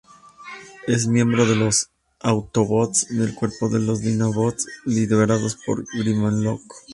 Es miembro de los Autobots del cuerpo de los Dinobots, liderados por Grimlock.